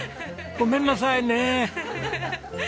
ごめんなさいね。